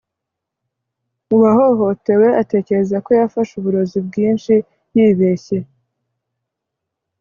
uwahohotewe atekereza ko yafashe uburozi bwinshi yibeshye